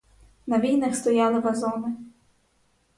На війнах стояли вазони.